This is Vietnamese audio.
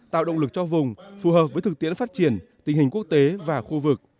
tạo động lực cho vùng phù hợp với thực tiễn phát triển tình hình quốc tế và khu vực